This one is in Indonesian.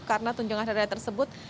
karena tunjangan hari raya tersebut